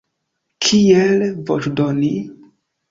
Kiel voĉdoni?